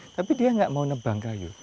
tapi dia nggak mau nebang kayu